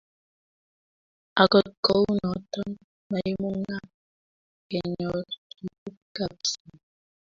agot ko u noton maimungak kenyor tuguk ab sang.